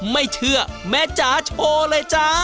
ไม่เชื่อแม่จ๋าโชว์เลยจ้า